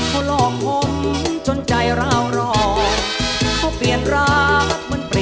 ขอบคุณมากครับ